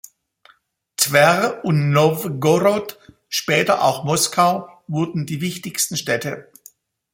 Twer und Nowgorod, später auch Moskau, wurden die wichtigsten Städte.